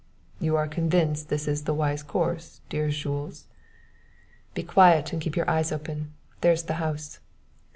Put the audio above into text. "You are convinced this is the wise course, dearest Jules?" "Be quiet and keep your eyes open. There's the house."